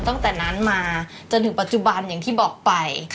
ตั้งแต่นั้นมาจนถึงปัจจุบันอย่างที่บอกไป